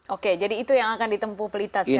oke jadi itu yang akan ditempuh pelita sekarang